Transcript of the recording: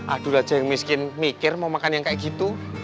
aduh aja yang miskin mikir mau makan yang kayak gitu